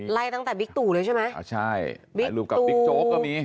ไล่ตั้งแต่บิ๊กตู่เลยใช่ไหมอ่าใช่มีรูปกับบิ๊กโจ๊กก็มี